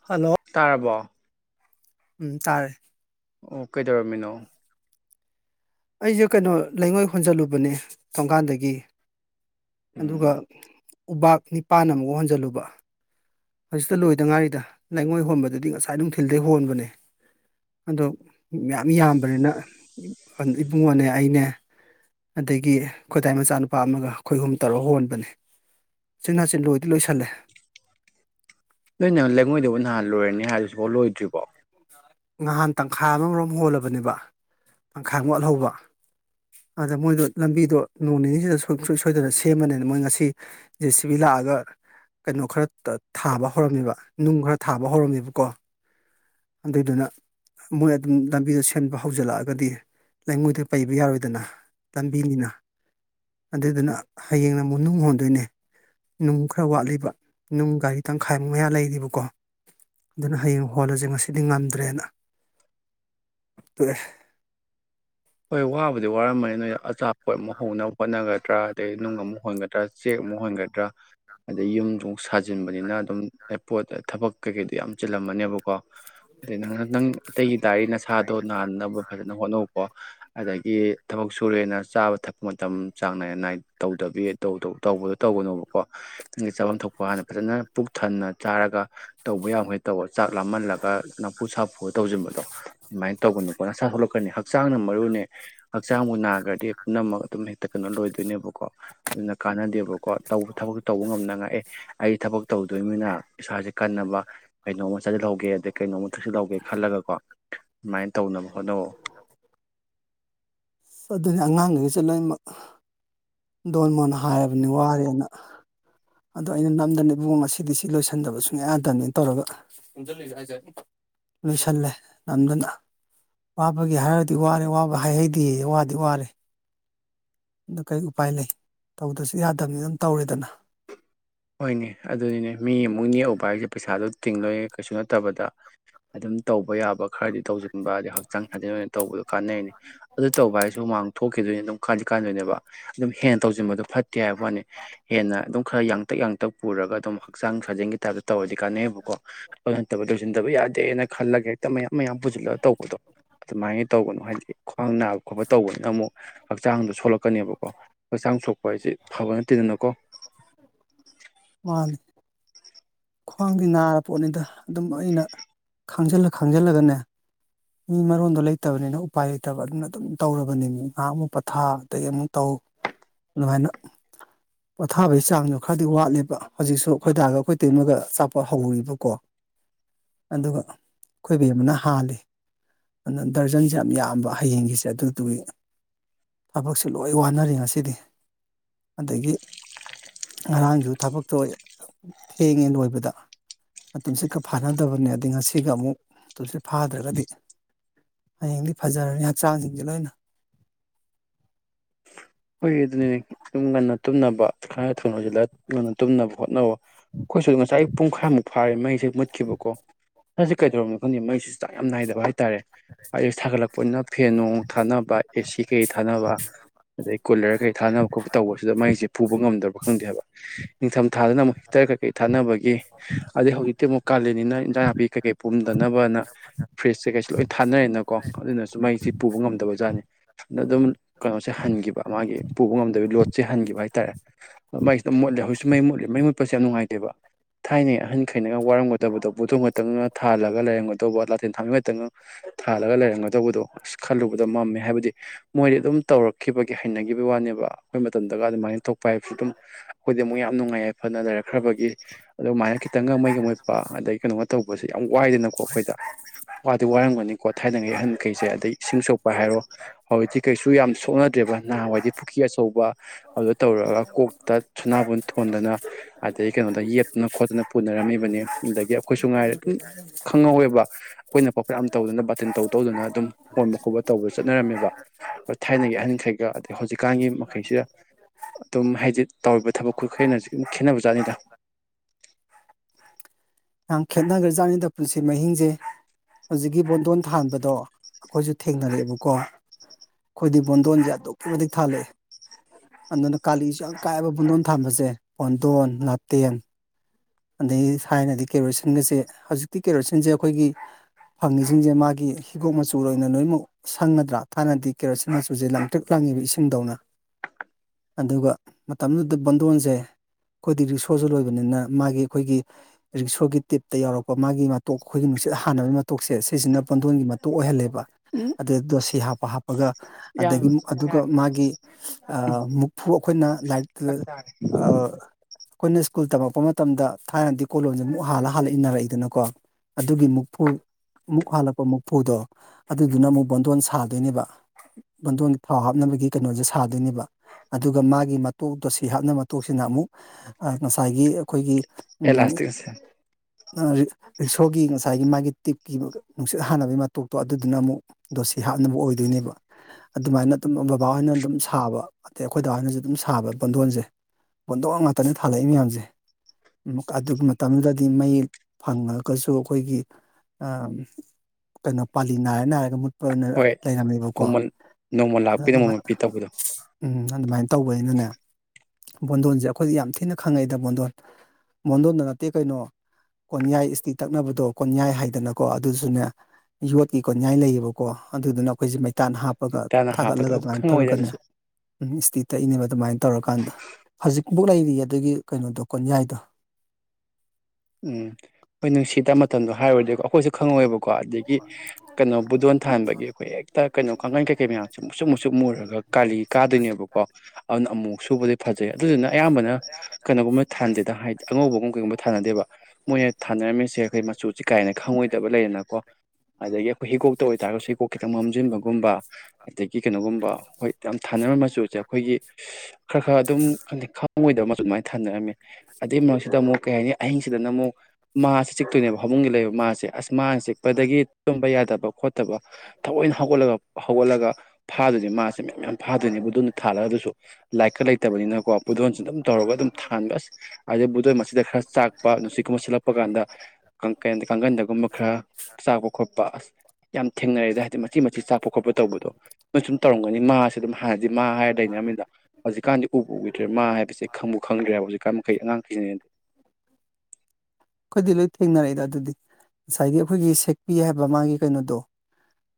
hello ꯇꯥꯔꯕꯣ ꯎꯝ ꯇꯥꯔꯦ ꯑꯣ ꯀꯩꯗꯧꯔꯝꯃꯤꯅꯣ ꯑꯩꯖ‌ꯦ ꯀꯩꯅꯣ ꯂꯩꯉꯣꯏ ꯍꯣꯟꯖꯜꯂꯨꯕꯅꯦ ꯊꯣꯡꯒꯥꯟꯗꯒꯤ ꯑꯗꯨꯒ ꯎꯝ ꯎꯕꯥꯛ ꯅꯤꯄꯥꯟ ꯑꯝꯒ ꯍꯣꯟꯖꯜꯂꯨꯕ ꯍꯧꯖꯤꯛꯇ ꯂꯣꯏꯗ ꯉꯥꯏꯔꯤꯗ ꯂꯩꯉꯣꯏ ꯍꯣꯟꯕꯗꯨꯗꯤ ꯉꯁꯥꯏ ꯅꯨꯡꯊꯤꯜꯗꯩ ꯍꯣꯟꯕꯅꯦ ꯑꯗꯣ ꯃꯌꯥꯝ ꯌꯥꯝꯕꯅꯤꯅ ꯏ ꯑ ꯏꯕꯨꯡꯉꯣꯅꯦ ꯑꯩꯅꯦ ꯑꯗꯒꯤ ꯈꯣꯏꯗꯥꯏ ꯃꯆꯥꯅꯨꯄꯥ ꯑꯃꯒ ꯑꯩꯈꯣꯏ ꯑꯍꯨꯝ ꯇꯧꯔ ꯍꯣꯟꯕꯅꯦ ꯎꯆꯤꯟ ꯅꯥꯆꯤꯟ ꯂꯣꯏꯗꯤ ꯂꯣꯏꯁꯜꯂꯦ ꯅ‌ꯣꯏꯅ ꯂꯩꯉꯣꯏꯗꯨꯕꯨ ꯅꯍꯥꯟ ꯂꯣꯏꯔꯅꯤ ꯍꯥꯏꯗꯨ ꯍꯧꯖꯤꯛꯐꯥꯎ ꯂꯣꯏꯗ꯭ꯔꯤꯕꯣ ꯅꯍꯥꯟ ꯇꯪꯈꯥꯏ ꯑꯃꯔꯣꯝ ꯍꯣꯜꯂꯕꯅꯦꯕ ꯇꯪꯈꯥꯏ ꯑꯝ ꯋꯥꯠꯍꯧꯕ ꯑꯗ ꯃꯣꯏꯗꯣ ꯂꯝꯕꯤꯗꯣ ꯅꯣꯡ ꯅꯤꯅꯤꯁꯤꯗ ꯁꯨꯡꯁꯣꯏ ꯁꯣꯏꯗꯅ ꯁꯦꯝꯃꯅꯤꯅ ꯃꯣꯏ ꯉꯁꯤ ꯖꯦꯁꯤꯕꯤ ꯂꯥꯛꯑꯒ ꯀꯩꯅꯣ ꯈꯔ ꯇ ꯊꯥꯕ ꯍꯧꯔꯝꯃꯦꯕ ꯅꯨꯡ ꯈꯔ ꯊꯥꯕ ꯍꯧꯔꯝꯃꯦꯕꯀꯣ ꯑꯗꯨꯏꯗꯨꯅ ꯃꯣꯏ ꯑꯗꯨꯝ ꯂꯝꯕꯤꯗꯨ ꯁꯦꯝꯕ ꯍꯧꯖꯜꯂꯑꯒꯗꯤ ꯂꯩꯉꯣꯏꯗꯨ ꯄꯩꯕ ꯌꯥꯔꯣꯏꯗꯅ ꯂꯝꯕꯤꯅꯤꯅ ꯑꯗꯨꯏꯗꯨꯅ ꯍꯌꯦꯡꯅ ꯑꯃꯨꯛ ꯅꯨꯡ ꯍꯣꯟꯗꯣꯏꯅꯦ ꯅꯨꯡ ꯈꯔ ꯋꯥꯠꯂꯤꯕ ꯅꯨꯡ ꯒꯥꯔꯤ ꯇꯪꯈꯥꯏꯃꯨꯛ ꯃꯌꯥ ꯂꯩꯔꯤꯕꯀꯣ ꯑꯗꯨꯅ ꯍꯌꯦꯡ ꯍꯣꯜꯂꯁꯦ ꯉꯁꯤꯗꯤ ꯉꯝꯗ꯭ꯔꯦꯅ ꯇꯣꯛꯑꯦ ꯍꯣꯏ ꯋꯥꯕꯨꯗꯤ ꯋꯥꯔꯝꯃꯅꯤ ꯅꯣꯏ ꯑꯆꯥꯄꯣꯠ ꯑꯃꯨꯛ ꯍꯧꯅꯕ ꯍꯣꯠꯅꯒꯗ꯭ꯔꯥ ꯑꯗꯩ ꯅꯨꯡ ꯑꯃꯨꯛ ꯍꯣꯟꯒꯗ꯭ꯔꯥ ꯆꯦꯛ ꯑꯃꯨꯛ ꯍꯣꯟꯒꯗ꯭ꯔꯥ ꯑꯗꯩ ꯌꯨꯝꯗꯨ ꯑꯃꯨꯛ ꯁꯥꯖꯤꯟꯕꯅꯤꯅ ꯑꯗꯨꯝ ꯑꯦ ꯄꯣꯠ ꯊꯕꯛ ꯀꯩꯀꯩꯗꯣ ꯌꯥꯝ ꯆꯤꯜꯂꯝꯃꯅꯦꯕꯀꯣ ꯑꯗꯩ ꯅꯪ ꯅꯪ ꯑꯇꯩꯒꯤ ꯗꯥꯔꯤ ꯅꯁꯥꯗꯣ ꯅꯥꯗꯅꯕ ꯐꯖꯅ ꯍꯣꯠꯅꯧꯀꯣ ꯑꯗꯒꯤ ꯊꯕꯛ ꯁꯨꯔꯦꯅ ꯆꯥꯕ ꯊꯛꯄ ꯃꯇꯝ ꯆꯥꯡ ꯅꯥꯏꯅ ꯅꯥꯏ ꯇꯧꯗꯕꯤ ꯇꯧꯇꯧ ꯇꯧꯕꯗꯣ ꯇꯧꯒꯅꯣꯕꯀꯣ ꯅꯪꯒꯤ ꯆꯥꯐꯝ ꯊꯣꯛꯄ ꯍꯥꯟꯅ ꯐꯖꯅ ꯄꯨꯛ ꯊꯟꯅ ꯆꯥꯔꯒ ꯇꯧꯕ ꯌꯥꯝꯈꯩ ꯇꯧ ꯆꯥꯛ ꯂꯥꯝꯍꯜꯂꯒ ꯅꯝꯐꯨ ꯁꯥꯐꯨꯗ ꯇꯧꯖꯤꯟꯕꯗꯣ ꯑꯗꯨꯃꯥꯏꯟ ꯇꯧꯒꯅꯨꯀꯣ ꯅꯁꯥ ꯁꯣꯛꯂꯛꯀꯅꯤ ꯍꯛ ꯆꯥꯡꯅ ꯃꯔꯨꯅꯦ ꯍꯛꯆꯥꯡꯕꯨ ꯅꯥꯈ꯭ꯔꯗꯤ ꯄꯨꯝꯅꯃꯛ ꯑꯗꯨꯝ ꯍꯦꯛꯇ ꯀꯩꯅꯣ ꯂꯣꯏꯗꯣꯏꯅꯦꯕꯀꯣ ꯑꯗꯨꯅ ꯀꯥꯟꯅꯗꯦꯕꯀꯣ ꯇꯧꯕ ꯊꯕꯛꯇ ꯇꯧꯕ ꯉꯝꯅꯉꯥꯏ ꯑꯦ ꯑꯩ ꯊꯕꯛ ꯇꯧꯗꯣꯏꯃꯤꯅ ꯏꯁꯥꯁꯦ ꯀꯟꯅꯕ ꯀꯩꯅꯣꯝꯃ ꯆꯥꯁꯤꯜꯍꯧꯒꯦ ꯑꯗꯩ ꯀꯩꯅꯣꯝꯃ ꯊꯛꯁꯤꯜꯍꯧꯒꯦ ꯈꯜꯂꯒꯀꯣ ꯑꯗꯨꯃꯥꯏꯅ ꯇꯧꯅꯕ ꯍꯣꯠꯅꯧꯋꯣ ꯍ [inaudible] ꯑꯗꯨꯅꯤ ꯑꯉꯥꯡꯗꯒꯤꯁꯨ ꯂꯣꯏꯅꯃꯛ ꯗꯣꯟ ꯃꯣꯟ ꯍꯥꯏꯔꯕꯅꯤ ꯋꯥꯔꯦꯅ ꯑꯗꯣ ꯑꯩꯅ ꯅꯝꯗꯅ ꯏꯕꯨꯡꯉꯣ ꯉꯁꯤꯗꯤ ꯁꯤ ꯂꯣꯏꯁꯤꯟꯗꯕ ꯁꯨꯡꯌꯥ ꯌꯥꯗꯕꯅꯤꯅ ꯇꯧꯔꯒ [unintelligible] ꯂꯣꯏꯁꯜꯂꯦ ꯅꯝꯗꯅ ꯋꯥꯕꯒꯤ ꯍꯥꯏꯔꯨꯔꯗꯤ ꯋꯥꯔꯦ ꯋꯥꯕ ꯍꯥꯏꯍꯩꯗꯦꯌꯦ ꯋꯥꯗꯤ ꯋꯥꯔꯦ ꯑꯗꯨ ꯀꯩ ꯎꯄꯥꯏ ꯂꯩ ꯇꯧꯗꯁꯨ ꯌꯥꯗꯪꯅꯤꯅ ꯑꯗꯨꯝ ꯇꯧꯔꯦꯗꯅ ꯍꯣꯏꯅꯦ ꯑꯗꯨꯅꯤꯅꯦ ꯃꯤ ꯑꯃꯨꯛ ꯅꯦꯛꯎꯕ ꯍꯥꯏꯁꯦ ꯄꯩꯁꯥꯗꯨ ꯇꯤꯡꯗꯣꯏ ꯀꯩꯁꯨ ꯅꯠꯇꯕꯗ ꯑꯗꯨꯝ ꯇꯧꯕ ꯌꯥꯕ ꯈꯔꯗꯤ ꯇꯧꯁꯤꯟꯕꯗꯤ ꯍꯛꯆꯥꯡ ꯁꯥꯖꯦꯜ ꯑꯣꯏꯅ ꯇꯧꯕꯗꯣ ꯀꯥꯟꯅꯩꯅꯤ ꯑꯗꯨ ꯇꯧꯕ ꯍꯥꯏꯁꯤ ꯍꯨꯃꯥꯡ ꯊꯣꯛꯈꯤꯗꯣꯏꯅꯤ ꯑꯗꯨꯝ ꯀꯥꯟꯗꯤ ꯀꯥꯟꯗꯣꯏꯅꯦꯕ ꯑꯗꯨꯝ ꯍꯦꯟꯅ ꯇꯧꯁꯤꯟꯕꯗꯣ ꯐꯠꯇꯦ ꯍꯥꯏꯕ ꯋꯥꯅꯤ ꯍꯦꯟꯅ ꯑꯗꯨꯝ ꯈꯔ ꯌꯥꯡꯇꯛ ꯌꯥꯡꯇꯛ ꯄꯨꯔꯒ ꯑꯗꯨꯝ ꯍꯛꯆꯥꯡ ꯁꯥꯖꯦꯜꯒꯤ ꯇꯥꯏꯞꯇ ꯇꯧꯔꯗꯤ ꯀꯥꯟꯅꯩꯌꯦꯀꯣ ꯠꯇꯕ [unintelligible] ꯂꯣꯏꯁꯤꯟꯗꯕ ꯌꯥꯗꯦꯅ ꯈꯜꯂꯒ ꯍꯦꯛꯇ ꯃꯌꯥꯝ ꯃꯌꯥꯝ ꯄꯨꯁꯤꯜꯂꯒ ꯇꯧꯕꯗꯣ ꯑꯗꯨꯃꯥꯏꯅ ꯇꯧꯒꯅꯨ ꯍꯥꯏꯗꯤ ꯈ꯭ꯋꯥꯡ ꯅꯥꯕ ꯈꯣꯠꯄ ꯇꯧꯕꯅꯤꯅ ꯑꯃꯨꯛ ꯍꯛꯆꯥꯡꯗꯣ ꯁꯣꯂꯛꯀꯅꯦꯕꯀꯣ ꯍꯩꯆꯥꯡ ꯁꯣꯛꯄ ꯍꯥꯏꯁꯤ ꯐꯕ ꯅꯠꯇꯦꯗꯅꯀꯣ ꯋꯥꯟ ꯈ꯭ꯋꯥꯡꯗꯤ ꯅꯥꯔꯕ ꯄꯣꯠꯅꯤꯗ ꯑꯗꯨꯝ ꯑꯩꯅ ꯈꯥꯡꯖꯜꯂ ꯈꯥꯡꯖꯜꯂꯒꯅꯦ ꯃꯤ ꯃꯔꯣꯟꯗꯣ ꯂꯩꯇꯕꯅꯤꯅ ꯎꯄꯥꯏ ꯂꯩꯇꯕ ꯑꯗꯨꯅ ꯑꯗꯨꯝ ꯇꯧꯔꯕꯅꯤꯃꯤ ꯉꯥꯏꯍꯥꯛ ꯑꯃꯨꯛ ꯄꯊꯥ ꯑꯗꯩ ꯑꯃꯨꯛ ꯇꯧ ꯑꯗꯨꯃꯥꯏꯅ ꯄꯣꯊꯥꯕꯒꯤ ꯆꯥꯡꯁꯨ ꯈꯔꯗꯤ ꯋꯥꯠꯂꯦꯕ ꯍꯧꯖꯤꯛꯁꯨ ꯈꯣꯏꯗꯥꯒ ꯑꯩꯈꯣꯏ ꯇꯩꯃꯒ ꯆꯄꯠ ꯍꯧꯔꯤꯕꯀꯣ ꯑꯗꯨꯒ ꯈꯣꯏꯕꯤ ꯑꯃꯅ ꯍꯥꯜꯂꯤ ꯑꯗꯨꯅ ꯗꯔꯖꯟꯁꯦ ꯌꯥꯝ ꯌꯥꯝꯕ ꯍꯌꯦꯡꯒꯤꯁꯦ ꯑꯗꯨꯗꯨꯒꯤ ꯊꯕꯛꯁ ꯂꯣꯏ ꯋꯥꯅꯔꯤ ꯉꯁꯤꯗꯤ ꯑꯗꯒꯤ ꯉꯔꯥꯡꯁꯨ ꯊꯕꯛꯇꯣ ꯊꯦꯡꯉꯦ ꯂꯣꯏꯕꯗ ꯗ ꯃꯇꯨꯝꯁꯦꯀ ꯐꯥꯅꯗꯕꯅꯦ ꯑꯗꯤ ꯉꯁꯤꯒ ꯑꯃꯨꯛ ꯃꯇꯨꯝꯁꯦ ꯐꯥꯗ꯭ꯔꯒꯗꯤ ꯍꯌꯦꯡꯗꯤ ꯐꯖꯔꯅꯤ ꯍꯛꯆꯥꯡꯁꯤꯡꯁ ꯂꯣꯏꯅ ꯍꯈꯣꯏꯒꯤ ꯑꯗꯨꯅꯤꯅꯦ ꯁꯨꯝ ꯉꯟꯅ ꯇꯨꯝꯅꯕ ꯈꯔ ꯊꯧꯅꯁꯤꯂ ꯉꯟꯅ ꯇꯨꯝꯅꯕ ꯍꯣꯠꯅꯕ ꯑꯩꯈꯣꯏꯁꯨ ꯑꯗꯨ ꯉꯁꯥꯏ ꯑ ꯄꯨꯡ ꯈꯔꯥꯃꯨꯛ ꯐꯥꯔꯦ ꯃꯩꯁꯦ ꯃꯨꯠꯈꯤꯕꯀꯣ ꯍꯧꯖꯤ ꯀꯩꯗꯧꯔꯕꯅꯤ ꯈꯪꯦ ꯃꯩꯁꯤ ꯆ ꯌꯥꯝ ꯅꯥꯏꯗꯕ ꯍꯥꯏꯦ ꯍꯥꯏꯇꯥꯔꯦ ꯍꯥꯏ ꯊꯒꯠꯂꯛꯄꯅꯤꯅ ꯐꯦꯟ ꯅꯨꯡ ꯊꯥꯅꯕ ꯑꯦꯁꯤ ꯀꯩ ꯊꯥꯅꯕ ꯑ ꯑꯗꯩ ꯀꯨꯂꯔ ꯀꯩ ꯊꯥꯅꯕ ꯈꯣꯠꯄ ꯇꯧꯕꯁꯤꯗ ꯃꯩꯁꯦ ꯐꯨꯕ ꯉꯝꯗꯕ ꯈꯪꯗꯦꯕ ꯅꯤꯡꯊꯝꯊꯥꯗꯨꯅ ꯑꯃꯨꯛ ꯍꯤꯇꯔ ꯀꯩꯀꯩ ꯊꯥꯅꯕꯒꯤ ꯑꯗꯩ ꯍꯧꯖꯤꯛꯇꯤ ꯑꯃꯨꯛ ꯀꯥꯜꯂꯤꯅꯤꯅ ꯏꯟꯖꯥꯡ ꯅꯥꯄꯤ ꯀꯩꯀꯩ ꯄꯨꯝꯗꯅꯕꯅ ꯐ꯭ꯔꯤꯖꯁꯦ ꯀꯩꯁꯨ ꯂꯣꯏ ꯊꯥꯅꯔꯦꯅꯀꯣ ꯑꯗꯨꯅꯁꯨ ꯃꯩꯁꯤ ꯄꯨꯕ ꯉꯝꯗꯕ ꯖꯥꯠꯅꯤ ꯑꯗꯨꯝ ꯀꯩꯅꯣꯁꯦ ꯍꯟꯉ ꯃꯥ ꯉꯝꯗꯣꯠ ꯍꯈꯤꯕ ꯍꯥꯏꯇꯥꯔꯦ ꯃꯣꯠꯂꯦ ꯍꯧꯖꯤꯁꯨ ꯃ ꯃꯠꯂꯦ ꯎꯠꯄꯁꯦ ꯌꯥꯝ ꯅꯨꯡꯉꯥꯏꯇꯦꯕ ꯊꯥꯏꯅꯩ ꯑꯍꯟ ꯈꯩꯅꯒ ꯋꯥꯔꯝꯒꯗꯕꯗꯣ ꯄꯣꯠꯊꯣꯛ ꯈꯛꯇꯪꯒ ꯊꯥꯜꯂꯒ ꯂꯩꯔꯝꯒꯗꯧꯕ ꯂꯥꯊꯦꯟ ꯊꯥꯕꯤ ꯉꯛꯇꯪ ꯊꯥꯜꯂꯒ ꯂꯩꯔꯝꯒꯗꯧꯕꯗꯣ ꯑꯁ ꯈꯜꯂꯨꯕꯗꯣ ꯃꯝꯃꯦ ꯍꯥꯏꯕꯗꯤ ꯃꯣꯏꯗꯤ ꯑꯗꯨꯝ ꯇꯧꯔꯛ ꯈꯤꯕꯒꯤ ꯍꯩꯅꯈꯤꯕꯒꯤ ꯋꯥꯅꯦꯕ ꯑꯩꯈꯣꯏ ꯃꯇꯝꯗꯒ ꯑꯗꯨꯃꯥꯏꯅ ꯇꯄ ꯍꯥꯏꯕꯁꯨ ꯑꯗꯨꯝ ꯑꯩꯈꯣꯏꯗꯤ ꯑꯃꯨꯛ ꯌꯥꯝ ꯅꯨꯡꯉꯥꯏ ꯌꯥꯏ ꯐꯅ ꯂꯩꯔꯛꯈ꯭ꯔꯕꯒꯤ ꯑꯗꯨꯃꯥꯏꯅ ꯈꯤꯇꯪ ꯉꯃꯩꯒ ꯃꯠꯄ ꯑꯗꯒꯤꯩ ꯀꯩꯅꯣꯃ ꯇꯧꯕꯁꯦ ꯌꯥꯝ ꯋꯥꯏꯗꯅꯀꯣ ꯑꯩꯈꯣꯏꯗ ꯑꯗꯨ ꯋꯥꯔꯝꯒꯅꯤꯀꯣ ꯊꯥꯏꯅꯉꯩꯒꯤ ꯑꯍꯟꯈꯩꯁꯦ ꯑꯗꯩ ꯏꯁꯤꯡ ꯁꯣꯛꯄ ꯍꯥꯏꯔꯣ ꯍꯧꯖꯤꯛꯇꯤ ꯀꯩꯁꯨ ꯌꯥꯝ ꯁꯣꯛꯅ ꯕ ꯅꯍꯥꯟꯋꯥꯏꯗꯤ ꯄꯨꯈ꯭ꯔꯤ ꯑꯆꯧꯕ ꯑꯗꯨꯗ ꯇꯧꯔꯨꯔꯒ ꯀꯣꯛꯇ ꯁꯅꯥꯕꯨꯟ ꯊꯣꯟꯗꯅ ꯑꯗꯩ ꯀꯩꯅꯣꯗ ꯌꯦꯞꯇꯅ ꯈꯣꯠꯇꯅ ꯄꯨꯅꯔꯝꯃꯤꯕꯅꯤ ꯑꯗꯒꯤ ꯑꯩꯈꯣꯏꯁꯨ ꯉꯥꯏꯔꯦ ꯑꯗꯨꯝ ꯈꯪꯍꯧꯋꯦꯕ ꯑꯩꯈꯣꯏꯅ ꯄꯈꯠ ꯑꯃ ꯇꯧꯗꯅ ꯕꯇꯟ ꯇꯧ ꯇꯧꯗꯅ ꯑꯗꯨꯝ ꯍꯣꯟꯕ ꯈꯣꯠꯄ ꯇꯧꯕꯗ ꯆꯠꯅꯔꯝꯃꯦꯕ ꯑ ꯊꯥꯏꯅꯒꯤ ꯑꯍꯟ ꯀꯩꯀꯥ ꯑꯗꯩ ꯍꯧꯖꯤꯛꯀꯥꯟꯒꯤ ꯃꯈꯩꯁꯤꯗ ꯑꯗꯨꯝ ꯍꯥꯏꯗꯤ ꯇꯧꯔꯤꯕ ꯊꯕꯛ ꯈꯨꯠꯈꯅ ꯍꯧꯖꯤ ꯑꯗꯨꯝ ꯈꯦꯠꯅꯕꯖꯥꯠꯅꯤꯗ ꯌꯥꯝ ꯈꯦꯠꯅꯈ꯭ꯔꯖꯥꯠꯅꯤꯗ ꯄꯨꯟꯁꯤ ꯃꯍꯤꯡꯁꯦ ꯍꯧꯖꯤꯛꯀꯤ ꯕꯣꯟꯗꯣꯟ ꯊꯥꯟꯕꯗꯣ ꯑꯩꯈꯣꯏꯁꯨ ꯊꯦꯡꯅꯔꯛꯑꯦꯕꯀꯣ ꯑꯩꯈꯣꯏꯗꯤ ꯕꯣꯟꯗꯣꯟꯁꯦ ꯑꯗꯨꯛꯀꯤ ꯃꯇꯤ ꯊꯥꯜꯂꯛꯑꯦ ꯑꯗꯨꯅ ꯀꯥꯂꯤꯁꯨ ꯌꯥꯝ ꯀꯥꯏꯕ ꯕꯨꯗꯣꯟ ꯊꯝꯕꯁꯦ ꯄꯣꯟꯗꯣꯟ ꯥꯇꯦꯟ ꯑꯗꯗꯒꯤ ꯊꯥꯏꯅꯗꯤ ꯀꯦꯔꯣꯁꯤꯟꯒꯁꯦ ꯍꯧꯖꯤꯛꯇꯤ ꯀꯦꯔꯣꯁꯤꯟꯁꯦ ꯑꯩꯈꯣꯏꯒꯤ ꯐꯪꯉꯤꯁꯤꯡꯁꯦ ꯃꯥꯒꯤ ꯍꯤꯒꯣꯛ ꯃꯆꯨꯔ ꯑꯣꯏꯅ ꯂꯣꯏꯅꯃꯛ ꯁꯪꯒꯗ꯭ꯔꯥ ꯊꯥꯅꯗꯤ ꯀꯦꯔꯣꯁꯤꯟ ꯃꯆꯨꯁꯦ ꯂꯥꯡꯇꯤꯛ ꯂꯥꯡꯉꯤꯕ ꯏꯁꯤꯡꯗꯧꯅ ꯑꯗꯨꯒ ꯃꯇꯝꯗꯨꯗ ꯕꯟꯗꯣꯟꯁꯦ ꯑꯩꯈꯣꯏꯗꯤ ꯔꯤꯁꯣꯁꯨ ꯂꯣꯏꯕꯅꯤꯅ ꯃꯥꯒꯤ ꯑꯩꯈꯣꯏꯒꯤ ꯔꯤꯛꯁꯣꯒꯤ ꯇꯤꯞꯇ ꯌꯥꯎꯔꯛꯄ ꯃꯥꯒꯤ ꯃꯇꯣꯛ ꯑꯩꯈꯣꯏꯒꯤ ꯅꯨꯡꯁꯤꯠ ꯍꯥꯟꯅꯅꯕꯒꯤ ꯃꯇꯣꯛꯁꯦ ꯁꯤꯁꯤꯅ ꯄꯣꯟꯗꯣꯟꯒꯤ ꯃꯇ ꯑꯣꯏꯍꯜꯂꯦꯕ ꯎꯝ ꯑꯗꯨꯗꯣꯁꯤ ꯍꯥꯞꯄ ꯍꯥꯞꯄꯒ ꯑꯗꯒꯤ ꯌꯥꯔꯣꯏ ꯑꯗꯨꯒ ꯌꯥꯔꯦ ꯃꯥꯒꯤ ꯎꯝ ꯃꯨꯛꯐꯨ ꯑꯩꯈꯣꯏꯅ ꯂꯥꯏꯔꯤꯛꯇ ꯑꯩꯈꯣꯏꯅ ꯁ꯭ꯀꯨꯜ ꯇꯝꯃꯛꯄ ꯃꯇꯝꯗ ꯊꯥꯏꯅꯗꯤ ꯀꯣꯂꯣꯝꯁꯦ ꯑꯃꯨꯛ ꯍꯥꯜꯂ ꯍꯜꯂ ꯏꯟꯅꯔꯛꯏꯗꯅꯀꯣ ꯑꯗꯨꯒꯤ ꯃꯨꯛꯐꯨ ꯃꯨꯛ ꯍꯥꯜꯂꯛꯄ ꯃꯨꯛꯄꯨꯗꯣ ꯑꯗꯨꯗꯨꯅ ꯑꯃꯨꯛ ꯕꯣꯟꯗꯣꯟ ꯁꯥꯗꯣꯏꯅꯦꯕ ꯕꯟꯗꯣꯟ ꯊꯥꯎ ꯍꯥꯞꯅꯕꯒꯤ ꯀꯩꯅꯣꯁꯦ ꯁꯥꯗꯣꯏꯅꯦꯕ ꯑꯗꯨꯒ ꯃꯥꯒꯤ ꯃꯇꯣꯛꯇꯣ ꯁꯤ ꯍꯥꯞꯅꯕ ꯃꯇꯣꯛꯁꯤꯅ ꯑꯃꯨꯛ ꯉꯁꯥꯏꯒꯤ ꯑꯩꯈꯣꯏꯒꯤ ꯎꯝ ꯑꯦꯂꯥꯁꯇꯤꯛ ꯑꯁꯦ ꯔꯤꯛꯁꯣꯒꯤ ꯉꯁꯥꯏꯒꯤ ꯃꯥꯒꯤ ꯇꯤꯞꯀꯤ ꯅꯨꯡꯁꯤꯠ ꯍꯥꯟꯅꯕꯒꯤ ꯃꯇꯣꯛꯇꯣ ꯑꯗꯨꯗꯨꯅ ꯑꯃꯨꯛ ꯑꯣ ꯁꯤ ꯍꯥꯞꯅꯕ ꯑꯣꯏꯗꯣꯏꯅꯦꯕ ꯑꯗꯨꯃꯥꯏꯅ ꯑꯗꯨꯝ ꯕꯕꯥꯍꯣꯏꯅ ꯑꯗꯨꯝ ꯁꯥꯕ ꯑꯗꯩ ꯑꯩꯈꯣꯏ ꯗꯥꯍꯣꯏꯅꯁꯨ ꯑꯗꯨꯝ ꯁꯥꯕ ꯕꯣꯟꯗꯣꯟꯁꯦ ꯕꯣꯟꯗꯣꯟ ꯉꯥꯛꯇꯅꯦ ꯊꯥꯜꯂꯛꯏ ꯃꯌꯥꯝꯁꯦ ꯑꯗꯨ ꯎꯝ ꯃꯇꯝꯗꯨꯗꯗꯤ ꯃꯩ ꯐꯪꯉꯒꯁꯨ ꯑꯩꯈꯣꯏꯒꯤ ꯑ ꯀꯩꯅꯣ ꯄꯥꯂꯤ ꯅꯥꯏꯔ ꯅꯥꯏꯔꯒ ꯃꯨꯠ ꯑꯣꯏꯅ ꯍꯣꯏ ꯂꯩꯔꯝꯃꯦꯕꯀꯣ ꯅꯣꯡꯃ ꯅꯣꯡꯃ ꯑꯗꯨ ꯂꯥꯛꯄꯤ ꯑꯗꯨꯃꯥꯏꯅ ꯅꯣꯡꯃ ꯃꯄꯤ ꯇꯧꯕꯗꯣ ꯎꯝ ꯑꯗꯨꯃꯥꯏꯅ ꯇꯧꯕꯅꯤꯅꯅꯦ ꯕꯣꯟꯗꯣꯟꯁꯦ ꯑꯩꯈꯣꯏꯗꯤ ꯌꯥꯝ ꯊꯤꯅ ꯈꯪꯉꯛꯏꯗ ꯕꯣꯟꯗꯣꯟ ꯕꯣꯟꯗꯣꯟꯗ ꯅꯠꯇꯦ ꯀꯩꯅꯣ ꯀꯣꯟꯌꯥꯏ ꯏꯁꯇꯤꯛ ꯇꯛꯅꯕꯗꯣ ꯀꯣꯟꯌꯥꯏ ꯍꯥꯏꯗꯅꯀꯣ ꯑꯗꯨꯁꯨꯅꯦ ꯌꯣꯠꯀꯤꯀꯣꯟꯉꯥꯏ ꯂꯩꯌꯦꯕꯀꯣ ꯑꯗꯨꯗꯨꯅ ꯑꯩꯈꯣꯏꯁꯦ ꯃꯩꯇꯥꯟ ꯍꯥꯞꯄꯒ ꯏꯇꯥꯅ ꯍꯥꯞꯄꯗꯣ ꯊꯥꯒꯠꯂꯒ ꯑꯩꯈꯣꯏ ꯑꯗꯨꯃꯥꯏꯅ ꯈꯪꯉꯧꯋꯦꯗ ꯑꯗꯨꯁꯨ ꯇꯧꯔꯒꯅꯦ ꯎꯝ ꯏꯁꯇꯤ ꯇꯛꯏꯅꯦꯕ ꯑꯗꯨꯃꯥꯏꯅ ꯇꯧꯔꯀꯥꯟꯗ ꯍꯧꯖꯤꯛꯐꯨꯛ ꯂꯩꯔꯤꯌꯦ ꯑꯗꯨꯒꯤ ꯀꯩꯅꯣꯗꯣ ꯀꯣꯟꯌꯥꯏꯗꯣ ꯎꯝ ꯍꯣꯏ ꯅꯨꯡꯁꯤꯠꯗ ꯃꯇꯝꯗꯣ ꯍꯥꯏꯔꯨꯔꯗꯤꯀꯣ ꯑꯩꯈꯣꯏꯁꯨ ꯈꯪꯉꯑꯦꯕꯀꯣ ꯑꯗꯨ ꯀꯩꯅꯣ ꯕꯨꯗꯣꯟ ꯊꯥꯟꯕꯒꯤ ꯑꯩꯈꯣꯏ ꯍ‌ꯦꯛ ꯇꯥ ꯀꯩꯅꯣ ꯀꯥꯡꯈꯟ ꯀꯩꯀꯩ ꯃꯌꯥꯝꯁꯦ ꯃꯨꯁꯨꯨꯞ ꯃꯨꯁꯨꯨꯞ ꯃꯨꯔꯒ ꯀꯥꯂꯤ ꯀꯥꯗꯣꯏꯅꯦꯕꯀꯣ ꯑꯗꯨꯅ ꯑꯃꯨꯃꯨꯛ ꯁꯨꯕꯗꯤ ꯐꯖꯩ ꯑꯗꯨꯗꯨꯅ ꯑꯌꯥꯝꯕꯅ ꯑꯩꯈꯣꯏꯗꯤ ꯀꯩꯅꯣꯒꯨꯝꯕ ꯊꯥꯟꯅꯗꯦꯗ ꯍꯥꯏꯗꯤ ꯑꯉꯧꯕꯒꯨꯝ ꯀꯩꯒꯨꯝꯕ ꯊꯥꯅꯗꯦꯕ ꯃꯣꯏꯅ ꯊꯥꯅꯔꯝꯃꯤꯁꯦ ꯑꯩꯈꯣꯏ ꯃꯆꯨꯁꯦ ꯀꯥꯏꯅ ꯈꯪꯉꯣꯏꯗꯕ ꯂꯩꯌꯦꯅꯀꯣ ꯑꯗꯒꯤ ꯑꯩꯈꯣꯏ ꯍꯤꯀꯣꯛꯇ ꯑꯣꯏꯕꯇꯥꯔꯒꯁꯨ ꯍꯤꯀꯣꯛ ꯈꯤꯇꯪ ꯃꯝꯁꯤꯟꯕꯒꯨꯝꯕ ꯑꯗꯒꯤ ꯀꯩꯅꯣꯒꯨꯝꯕ ꯍꯣꯏ ꯌꯥꯝ ꯊꯥꯅꯔ ꯃꯆꯨꯁꯦ ꯑꯩꯈꯣꯏꯒꯤ ꯈꯔ ꯈꯔ ꯑꯗꯨꯝ ꯈꯪ ꯈꯪꯉꯣꯏꯗꯕ ꯑꯗꯨꯃꯥꯏꯅ ꯊꯅꯔꯝꯃꯦ ꯑꯗꯩꯩ ꯃꯔꯛꯁꯤꯗ ꯑꯃꯨꯛ ꯀꯩ ꯍꯥꯏꯅꯤ ꯑꯍꯤꯡ ꯁꯤꯗꯅ ꯑꯃꯨꯛ ꯃꯥꯁꯤ ꯆꯤꯛꯇꯣꯏꯅꯦꯕ ꯐꯃꯨꯡꯗ ꯂꯩꯕ ꯃꯥꯁꯦ ꯑꯁ ꯃꯥꯅ ꯆꯤꯛꯄꯗꯒꯤ ꯇꯨꯝꯕ ꯌꯥꯗꯕ ꯈꯣꯠꯇꯕ ꯊꯑꯣꯏꯅ ꯍꯧꯒꯠꯂꯒ ꯍꯧꯒꯠꯂꯒ ꯐꯥꯗꯣꯏꯅꯦ ꯃꯥꯁꯦ ꯃꯌꯥꯝ ꯃꯌꯥꯝ ꯐꯥꯗꯣꯏꯅꯦꯕ ꯕꯨꯟꯗꯣꯟꯗꯣ ꯊꯥꯜꯂꯒ ꯑꯗꯨꯁꯨ ꯂꯥꯏꯛꯀ ꯂꯩꯇꯕꯅꯤꯅꯀꯣ ꯄꯨꯗꯣꯟꯁꯤ ꯑꯗꯨꯝ ꯇꯧꯔꯒ ꯑꯗꯨꯝ ꯊꯥꯟꯕ ꯑꯁ ꯑꯗꯩ ꯕꯨꯗꯣꯟ ꯃꯆꯤꯅ ꯈꯔ ꯆꯥꯛ ꯆꯥꯛ ꯅꯨꯡꯁꯤꯠꯀꯨꯝꯕ ꯁꯤꯠꯂꯛꯄ ꯀꯥꯟꯗ ꯀꯪ ꯀꯥꯟꯈꯜꯗ ꯒꯨꯝꯕ ꯈꯔ ꯆꯥꯛꯄ ꯈꯣꯠꯄ ꯑꯁ ꯌꯥꯝ ꯊꯦꯡꯅꯔꯦꯗ ꯍꯥꯏꯗꯤ ꯃꯆꯤ ꯃꯆꯤ ꯆꯥꯛꯄ ꯈꯣꯠꯄ ꯇꯧꯕꯗꯣ ꯅꯣꯏꯁꯨ ꯁꯨꯝ ꯇꯧꯔꯝꯒꯅꯤ ꯃꯥꯁꯦ ꯑꯗꯨꯝ ꯍꯥꯟꯅꯗꯤ ꯃꯥ ꯍꯥꯏꯔ ꯂꯩꯅꯔꯝꯃꯤꯗꯣ ꯍꯧꯖꯤꯛꯀꯥꯟꯗꯤ ꯎꯕꯨ ꯎꯗ꯭ꯔꯦ ꯃꯥ ꯍꯥꯏꯕꯁꯦ ꯈꯪꯕꯨ ꯈꯪꯗ꯭ꯔꯦꯕ ꯍꯧꯖꯤꯛꯀꯥꯟ ꯝꯈꯩ ꯑꯉꯥꯡꯁꯦ ꯑꯩꯈꯣꯏꯗꯤ ꯂꯣꯏ ꯊꯦꯡꯅꯔꯛꯑꯦꯗ ꯑꯗꯨꯗꯤ ꯉꯁꯥꯏꯒꯤ ꯑꯩꯈꯣꯏꯒꯤ ꯁꯦꯛꯄꯤ ꯍꯥꯏꯕ ꯃꯥꯒꯤ ꯀꯩꯅꯣꯗꯣ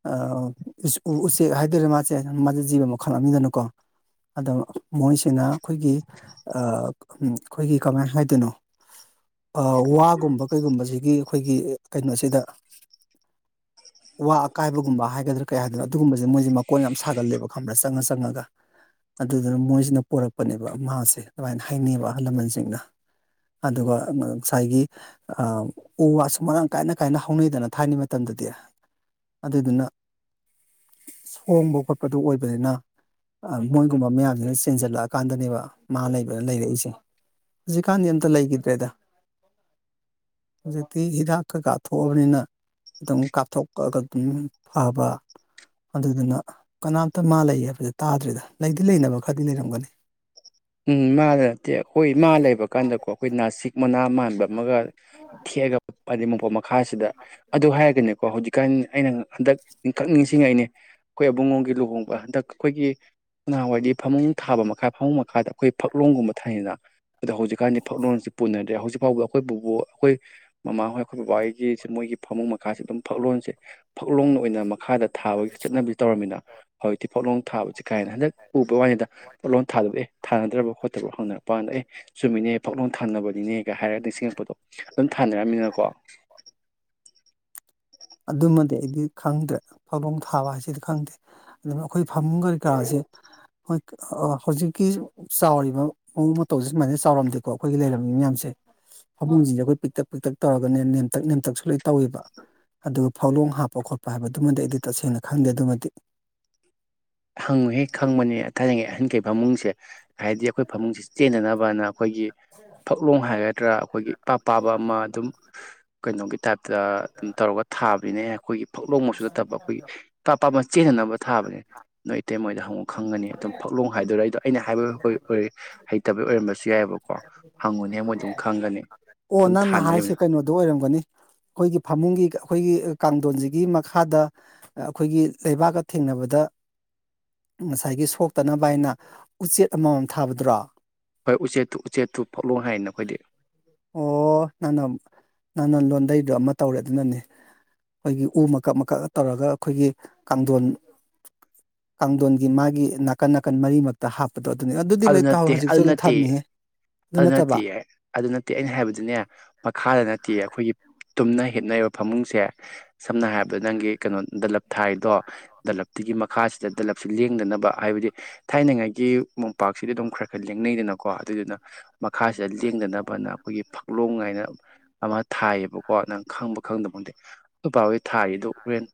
ꯑ ꯎꯁ ꯎ ꯎꯆꯦꯛ ꯍꯥꯏꯗꯣꯏꯔ ꯃꯥꯁꯦ ꯃꯥꯁꯦ ꯖꯤꯕ ꯃꯈꯜ ꯑꯃꯗꯅꯤꯀꯣ ꯑꯗꯣ ꯃꯣꯏꯁꯤꯅ ꯈꯣꯏꯒꯤ ꯑꯥ ꯈꯣꯏꯒꯤ ꯀꯃꯥꯏ ꯍꯥꯏꯗꯣꯏꯅꯣ ꯑ ꯋꯥꯒꯨꯝꯕ ꯀꯩꯒꯨꯝꯕꯁꯤꯗꯤ ꯑꯩꯈꯣꯏꯒꯤ ꯀꯩꯅꯣꯁꯤꯗ ꯋꯥ ꯑꯀꯥꯏꯕꯒꯨꯝꯕ ꯍꯥꯏꯒꯗ꯭ꯔꯥ ꯀꯩ ꯍꯥꯏꯗꯣꯏꯅꯣ ꯑꯗꯨꯒꯨꯝꯕꯁꯦ ꯃꯣꯏꯁꯦ ꯃꯀꯣꯜ ꯌꯥꯝ ꯁꯥꯒꯜꯂꯦꯕ ꯈꯪꯕ꯭ꯔꯥ ꯆꯪꯉ ꯆꯪꯉꯒ ꯑꯗꯨꯗꯨꯅ ꯃꯣꯏꯁꯤꯅ ꯄꯣꯔꯛꯄꯅꯦꯕ ꯃꯥꯁꯦ ꯑꯗꯨꯃꯥꯏꯅ ꯍꯥꯏꯅꯩꯕ ꯑꯍꯜ ꯂꯃꯟꯁꯤꯡꯅ ꯑꯗꯨꯒ ꯑꯅ ꯁꯥꯏꯒꯤ ꯑ ꯎ ꯋꯥꯁꯨ ꯃꯔꯥꯡ ꯀꯥꯏꯅ ꯀꯥꯏꯅ ꯍꯧꯅꯩꯗꯅ ꯊꯥꯏꯅꯩ ꯃꯇꯝꯗꯗꯤ ꯑꯗꯨꯗꯨꯅ ꯁꯣꯡꯕ ꯈꯣꯠꯄꯗꯨ ꯑꯣꯏꯕꯅꯤꯅ ꯑ ꯃꯣꯏꯒꯨꯝꯕ ꯃꯌꯥꯝꯁꯤꯅ ꯁꯦꯟꯖꯜꯂꯛꯑꯀꯥꯟꯗꯅꯦꯕ ꯃꯥ ꯂꯩꯕꯅ ꯂꯩꯔꯛꯏꯁꯦ ꯍꯧꯖꯤꯛꯀꯥꯟꯗꯤ ꯑꯝꯇ ꯂꯩꯈꯤꯗ꯭ꯔꯦꯗ ꯍꯧꯖꯤꯛꯇꯤ ꯍꯤꯗꯥꯛ ꯀꯩ ꯀꯥ ꯊꯣꯛꯑꯕꯅꯤꯅ ꯑꯗꯨꯝ ꯀꯥꯞ ꯊꯣꯛꯑꯒꯗꯤ ꯐꯕ ꯑꯗꯨꯗꯨꯅ ꯀꯅꯥꯝꯇ ꯃꯥ ꯂꯩ ꯍꯥꯏꯕꯁꯦ ꯇꯥꯗ꯭ꯔꯦꯗ ꯂꯩꯗꯤ ꯂꯩꯅꯕ ꯈꯔꯗꯤ ꯂꯩꯔꯝꯒꯅꯤ ꯎꯝ ꯃꯥꯗ ꯅꯠꯇꯦ ꯍꯣꯏ ꯃꯥ ꯂꯩꯕ ꯀꯥꯟꯗꯀꯣ ꯈꯣꯏ ꯅꯥꯁꯤꯛ ꯃꯅꯥ ꯃꯥꯟ ꯅꯜꯂꯒ ꯊꯦꯛꯑꯒ ꯍꯥꯏꯗꯤ ꯃꯣꯝꯄꯛ ꯃꯈꯥꯁꯤꯗ ꯑꯗꯨ ꯍꯥꯏꯔꯒꯅꯦꯀꯣ ꯍꯧꯖꯤꯛꯀꯥꯟ ꯑꯩꯅ ꯍꯟꯗꯛ ꯅꯤꯡꯈꯛ ꯅꯤꯡꯁꯤꯡꯉꯛꯏꯅꯦ ꯈꯣꯏ ꯑꯕꯨꯡꯉꯣꯒꯤ ꯂꯨꯍꯣꯡꯕ ꯍꯟꯗꯛ ꯈꯣꯏꯒꯤ ꯅꯥꯍꯟꯋꯥꯏꯗꯤ ꯐꯃꯨꯡ ꯊꯥꯕ ꯃꯈꯥ ꯐꯃꯨꯡ ꯃꯈꯥꯗ ꯑꯩꯈꯣꯏ ꯐꯛꯂꯣꯡꯒꯨꯝꯕ ꯊꯥꯏꯌꯦꯅ ꯑꯗꯣ ꯍꯧꯖꯤꯛꯀꯥꯟꯗꯤ ꯐꯛꯂꯣꯟꯁꯤ ꯄꯨꯅꯗ꯭ꯔꯦ ꯍꯧꯖꯤꯛ ꯐꯥꯎꯕ ꯑꯩꯈꯣꯏ ꯕꯨꯕꯣꯛ ꯈꯣꯏ ꯃꯃꯥꯍꯣꯏ ꯑꯩꯈꯣꯏ ꯕꯕꯥ ꯍꯣꯏꯒꯤ ꯃꯣꯏꯒꯤ ꯐꯃꯨꯡ ꯃꯈꯥꯥꯁꯦ ꯑꯗꯨꯝ ꯐꯛꯂꯣꯡꯁꯦ ꯐꯛꯂꯣꯡꯅ ꯑꯣꯏꯅ ꯃꯈꯥꯗ ꯊꯥꯕꯒꯤ ꯆꯠꯅꯕꯤ ꯇꯧꯔꯝꯃꯤꯅ ꯍꯧꯖꯤꯛꯇꯤ ꯐꯛꯂꯣꯡ ꯊꯥꯕꯁꯦ ꯀꯥ ꯍꯦꯟꯅ ꯍꯟꯗꯛ ꯎꯕꯩ ꯋꯥꯅꯤꯗ ꯐꯛꯂꯣꯡ ꯊꯕꯗꯣ ꯑꯦ ꯊꯥꯅꯗ꯭ꯔꯕꯣ ꯈꯣꯠꯇ꯭ꯔꯕꯣ ꯍꯪꯅꯔꯛꯄꯥ ꯋꯥꯅꯤꯗ ꯑꯦ ꯆꯨꯝꯃꯤꯅꯦ ꯐꯛꯂꯣꯡ ꯊꯅꯕꯅꯤꯅꯦ ꯒ ꯍꯥꯏꯔꯞ ꯅꯤꯡꯁꯤꯡꯉꯛꯄꯗꯣ ꯑꯗꯨꯝ ꯊꯥꯅꯔꯝꯃꯤꯅꯀꯣ ꯑꯗꯨꯃꯗꯤ ꯑꯩꯗꯤ ꯈꯪꯗ꯭ꯔꯦ ꯐꯛꯂꯣꯡ ꯊꯥꯕ ꯍꯥꯏꯁꯤꯗꯤ ꯈꯪꯗꯦ ꯑꯗꯨꯝ ꯑꯩꯈꯣꯏ ꯐꯃꯨꯡꯒꯤ ꯀꯥꯁꯦ ꯈꯣꯏ ꯑ ꯍꯧꯖꯤꯛꯀꯤ ꯆꯥꯎꯔꯤꯕ ꯃꯑꯣꯡ ꯃꯇꯧꯁꯦ ꯁꯨꯃꯥꯏꯅ ꯆꯥꯎꯔꯝꯗꯦꯀꯣ ꯑꯩꯈꯣꯏꯒꯤ ꯂꯩꯔꯝꯃꯤꯕ ꯃꯌꯥꯝꯁꯦ ꯐꯃꯨꯡꯁꯤꯡꯁꯦ ꯈꯣꯏ ꯄꯤꯛꯇꯛ ꯄꯤꯛꯇꯛ ꯇꯧꯔꯒꯅꯦ ꯅꯦꯝꯇꯛ ꯅꯦꯝꯇꯛꯁꯨ ꯂꯣꯏ ꯇꯧꯋꯦꯕ ꯑꯗꯨ ꯐꯛꯂꯣꯡ ꯍꯥꯞꯄ ꯈꯣꯠꯄ ꯍꯥꯏꯕꯗꯨꯃꯗꯤ ꯑꯩꯗꯤ ꯇꯁꯦꯡꯅ ꯈꯪꯗꯦ ꯑꯗꯨꯃꯗꯤ ꯍꯪꯉꯨꯍꯦ ꯈꯪꯕꯅꯤ ꯊꯥꯏꯅꯩ ꯑꯍꯟꯈꯩ ꯐꯃꯨꯡꯁꯦ ꯍꯥꯏꯗꯤ ꯑꯩꯈꯣꯏ ꯐꯃꯨꯡꯁꯦ ꯆꯦꯟꯗꯅꯕꯅ ꯈꯣꯏꯒꯤ ꯐꯛꯂꯣꯡ ꯍꯥꯏꯒꯗ꯭ꯔꯥ ꯑꯩꯈꯣꯏꯒꯤ ꯏꯄꯥ ꯄꯥꯕ ꯑꯃ ꯑꯗꯨꯝ ꯀꯩꯅꯣꯒꯤ ꯇꯥꯏꯞꯇ ꯑꯗꯨꯝ ꯇꯧꯔꯒ ꯊꯥꯕꯤꯅꯦ ꯑꯩꯈꯣꯏꯒꯤ ꯐꯛꯂꯣꯡ ꯃꯛꯁꯨ ꯅꯠꯇꯕ ꯑꯩꯈꯣꯏꯒꯤ ꯏꯄꯥ ꯄꯥꯕ ꯆꯦꯟꯅꯕ ꯊꯥꯕꯅꯦ ꯅꯣꯏ ꯏꯇꯩꯃꯥꯍꯣꯏꯗ ꯍꯪꯉꯣ ꯈꯪꯒꯅꯤ ꯑꯗꯨꯝ ꯐꯛꯂꯣꯡ ꯍꯥꯏꯗꯣꯏꯔ ꯑꯩꯗꯣ ꯑꯩꯅ ꯍꯥꯏꯕ ꯍꯣꯏ ꯍꯩꯇꯕꯩ ꯑꯣꯏꯔꯝꯕꯁꯨ ꯌꯥꯏꯕꯀꯣ ꯑꯣ ꯑꯗꯨꯝ ꯅꯪꯅ ꯊꯥꯅꯔꯤꯕꯅꯤ ꯍꯥꯏꯁꯦ ꯀꯩꯅꯣꯗꯣ ꯑꯣꯏꯔꯝꯒꯅꯤ ꯈꯣꯏꯒꯤ ꯐꯃꯨꯡꯒꯤ ꯑꯩꯈꯣꯏꯒꯤ ꯀꯥꯡꯗꯣꯟꯁꯤꯒꯤ ꯃꯈꯥꯗ ꯑ ꯑꯩꯈꯣꯏꯒꯤ ꯂꯩꯕꯥꯛꯀ ꯊꯦꯡꯅꯕꯗ ꯉꯁꯥꯏꯒꯤ ꯁꯣꯛꯇꯅꯕ ꯍꯥꯏꯅ ꯎꯆꯦꯠ ꯑꯃꯃꯝ ꯊꯥꯕꯗꯨꯔꯣ ꯍꯣꯏ ꯎꯆꯦꯠꯇꯨ ꯎꯆꯦꯠꯇꯨ ꯐꯛꯂꯣꯡ ꯍꯥꯏꯅ ꯑꯩꯈꯣꯏꯗꯤ ꯑꯣ ꯅꯪꯅ ꯅꯪꯅ ꯂꯣꯟꯗꯩꯗꯣ ꯑꯃ ꯇꯧꯔꯦ ꯑꯗꯨꯅꯅꯤ ꯑꯩꯈꯣꯏꯒꯤ ꯎ ꯃꯀꯛ ꯃꯀꯛꯀꯥ ꯇꯧꯔꯒ ꯑꯩꯈꯣꯏꯒꯤ ꯀꯥꯡꯗꯣꯟ ꯀꯥꯡꯊꯣꯟꯒꯤ ꯃꯥꯒꯤ ꯅꯥꯀꯟ ꯅꯥꯀꯟ ꯃꯔꯤꯃꯛꯇ ꯍꯥꯞꯄꯗꯣ ꯑꯗꯨꯅꯤ ꯑꯗꯨꯗꯤ ꯂꯣꯏ ꯇꯧꯏ ꯍꯧꯖꯤꯛꯁꯨ ꯂꯣꯏ ꯊꯝꯃꯤꯍꯦ ꯑꯗꯨ ꯑ ꯅꯠꯇꯕ ꯅꯠꯇꯤꯌꯦ ꯑꯗꯨ ꯅꯠꯇꯦ ꯑꯩꯅ ꯍꯥꯏꯕꯗꯤꯅꯦ ꯃꯈꯥꯗ ꯅꯠꯇꯤꯌꯦ ꯑꯩꯈꯣꯏꯒꯤ ꯇꯨꯝꯅ ꯍꯤꯞꯅꯔꯤꯕ ꯐꯃꯨꯡꯁꯦ ꯁꯝꯅ ꯍꯥꯏꯔꯕꯗꯣ ꯅꯪꯒꯤ ꯀꯩꯅꯣ ꯗꯂꯕ ꯊꯥꯏꯗꯣ ꯗꯜꯂꯞꯇꯨꯒꯤ ꯃꯈꯥꯁꯤꯗ ꯗꯜꯂꯞꯁꯨ ꯂꯦꯡꯗꯅꯕ ꯍꯥꯏꯕꯗꯤ ꯊꯥꯏꯅꯉꯥꯏꯒꯤ ꯃꯣꯝ ꯄꯥꯛꯁꯤꯗꯤ ꯑꯗꯨꯝ ꯈꯔ ꯈꯔ ꯂꯦꯡꯅꯩꯗꯅꯀꯣ ꯑꯗꯨꯏꯗꯨꯅ ꯃꯈꯥꯁꯤꯗ ꯂꯦꯡꯗꯅꯕꯅ ꯑꯩꯈꯣꯏꯒꯤ ꯐꯛ ꯂꯣꯡ ꯉꯥꯏꯅ ꯑꯃ ꯊꯥꯏꯌꯦꯕꯀꯣ ꯅꯪ ꯈꯪꯕ ꯈꯪꯗꯕ ꯈꯪꯗꯦ ꯅꯣꯏ ꯄꯥꯍꯣꯏ ꯊꯥꯔꯤꯗꯣ ꯍꯣꯔꯦꯟ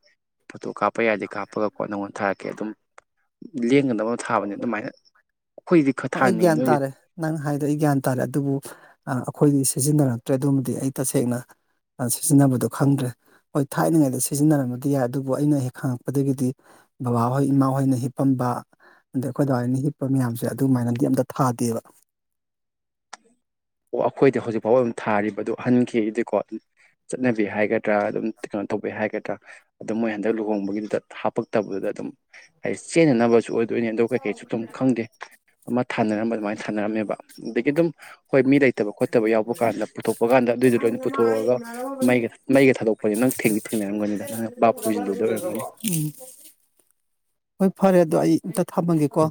ꯐꯣꯇꯣ ꯀꯥꯞꯄ ꯌꯥꯗꯤ ꯀꯥꯞꯄꯒꯀꯣ ꯅꯪꯉꯣꯟꯗ ꯊꯥꯔꯛꯀꯦ ꯑꯗꯨꯝ ꯂꯦꯡꯗꯅꯕ ꯊꯥꯕꯅꯤ ꯑꯗꯨꯃꯥꯏꯅ ꯑꯩꯈꯣꯏꯗꯤ ꯈꯔ ꯍꯣꯏ ꯑꯩ ꯒ꯭ꯌꯥꯟ ꯊꯥꯅꯤꯡꯉꯤ ꯅꯣꯏ ꯇꯥꯔꯦ ꯅꯪ ꯍꯥꯏꯗꯣ ꯑꯩ ꯒ꯭ꯌꯥꯟ ꯇꯥꯔꯦ ꯑꯗꯨꯕꯨ ꯑ ꯑꯩꯈꯣꯏꯒꯤ ꯁꯤꯖꯤꯟꯅꯔꯛꯇ꯭ꯔꯦ ꯑꯗꯨꯃꯗꯤ ꯑꯩ ꯇꯁꯦꯡꯅ ꯑ ꯁꯤꯖꯤꯟꯅꯕꯗꯣ ꯈꯪꯗ꯭ꯔꯦ ꯍꯣꯏ ꯊꯥꯏꯅꯉꯩꯗ ꯁꯤꯖꯤꯟꯅꯔꯝꯕꯗꯤ ꯌꯥꯏ ꯑꯗꯨꯕꯨ ꯑꯩꯅ ꯍꯦꯛ ꯍꯪꯉꯛꯄꯗꯒꯤꯗꯤ ꯕꯕꯥꯍꯣꯏ ꯏꯃꯥꯍꯣꯏꯅ ꯍꯤꯞꯄꯝꯕ ꯑꯗ ꯑꯩꯈꯣꯏ ꯗꯥ ꯍꯣꯏꯅ ꯍꯤꯞꯄ ꯃꯌꯥꯝꯁꯦ ꯑꯗꯨꯃꯥꯏꯅꯗꯤ ꯑꯝꯇ ꯊꯥꯗꯦꯕ ꯑꯣ ꯑꯩꯈꯣꯏꯗꯤ ꯍꯧꯖꯤꯛ ꯐꯥꯎꯕ ꯑꯗꯨꯝ ꯊꯥꯔꯤꯕꯗꯨ ꯑꯍꯟꯈꯤꯒꯩꯗꯤꯀꯣ ꯆꯠꯅꯕꯤ ꯍꯥꯏꯒꯗ꯭ꯔꯥ ꯑꯗꯨꯝ ꯀꯩꯅꯣ ꯇꯧꯕꯩ ꯍꯥꯏꯒꯗ꯭ꯔꯥ ꯑꯗꯨ ꯃꯣꯏ ꯍꯟꯗꯛ ꯂꯨꯍꯣꯡꯕꯒꯤꯗꯨꯗ ꯍꯥꯞꯄꯛꯇꯕꯗꯨꯗ ꯑꯗꯨꯝ ꯍꯥꯏꯗꯤ ꯆꯦꯟꯅꯅꯕꯁꯨ ꯑꯣꯏ ꯗꯣꯏꯅꯦ ꯑꯗꯨ ꯀꯩꯀꯩꯁꯨ ꯑꯗꯨꯝ ꯈꯪꯗꯦ ꯑꯃ ꯊꯥꯅꯔꯝꯕ ꯑꯗꯨꯃꯥꯏꯅ ꯊꯥꯅꯔꯝꯃꯦꯕ ꯑꯗꯒꯤ ꯑꯗꯨꯝ ꯍꯣꯏ ꯃꯤ ꯂꯩꯇꯕ ꯈꯣꯠꯇꯕ ꯌꯥꯎꯕ ꯀꯥꯟꯗ ꯄꯨꯊꯣꯛꯄ ꯀꯥꯟꯗ ꯑꯗꯨꯏꯗꯣ ꯂꯣꯏꯅ ꯄꯨꯊꯣꯛꯑꯒ ꯃꯩꯒ ꯃꯩꯒ ꯊꯥꯗꯣꯛ ꯄꯅꯦ ꯅꯪ ꯊꯦꯡꯗꯤ ꯊꯦꯡꯅꯔꯝꯒꯅꯤꯗ ꯅꯪꯅ ꯕꯥꯞ ꯑꯣꯏꯖꯤꯟꯗꯕꯗ ꯑꯣꯏꯔꯝꯒꯅꯤ ꯎꯝ ꯍꯣꯏ ꯐꯔꯦ ꯑꯗꯣ ꯑꯩ ꯑꯝꯇ ꯊꯝꯃꯒꯦꯀꯣ